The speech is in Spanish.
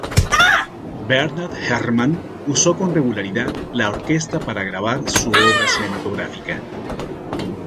Bernard Herrmann usó con regularidad la orquesta para grabar su obra cinematográfica.